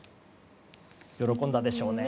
喜んだでしょうね。